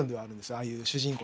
ああいう主人公。